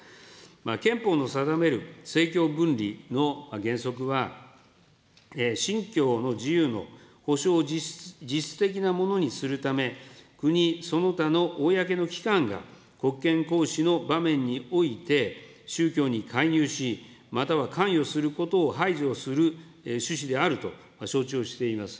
憲法の定める政教分離の原則は、信教の自由の保障を実質的なものにするため、国、その他の公の機関が、国権行使の場面において、宗教に勧誘し、または関与することを排除する趣旨であると承知をしています。